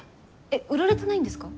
えっ売られてないんですか？